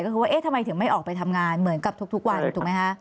ก็คือว่าเอ๊ะทำไมถึงไม่ออกไปทำงานเหมือนกับทุกวันถูกไหมคะ